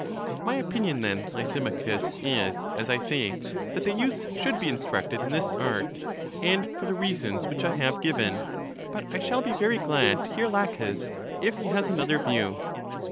My opinion then, Lysimachus, is, as I say, that the youths should be instructed in this art, and for the reasons which I have given. But I shall be very glad to hear Laches, if he has another view.